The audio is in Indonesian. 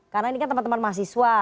karena ini kan teman teman mahasiswa